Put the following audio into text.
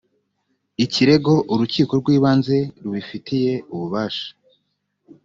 ikirego urukiko rw ibanze rubifitiye ububasha